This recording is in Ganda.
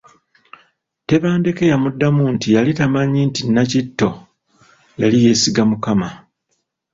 Tebandeke yamuddamu nti yali tamanyi nti ne Nakitto yali yeesiga Mukama.